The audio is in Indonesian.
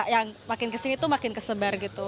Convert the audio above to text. yang makin kesini tuh makin kesebar gitu